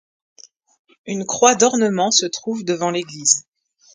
Une croix d’ornement, se trouve devant l’église.